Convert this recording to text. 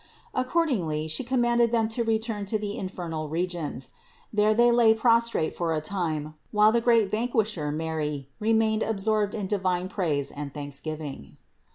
Accordingly She commanded them to return to the infernal regions. There they lay prostrate for a time, while the great Vanquisher Mary remained absorbed in divine praise and thanksgiving.